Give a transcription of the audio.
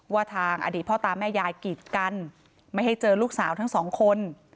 ว่าทางอดีตพ่อตาแม่ยายกีดกันไม่ให้เจอลูกสาวทั้งสองคน